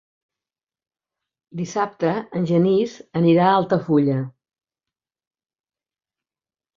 Dissabte en Genís anirà a Altafulla.